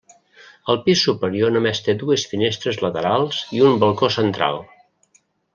El pis superior només té dues finestres laterals i un balcó central.